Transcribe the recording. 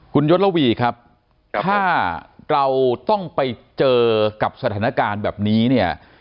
คุณยศระวีครับถ้าเราต้องไปเจอกับสถานการณ์แบบนี้เนี่ย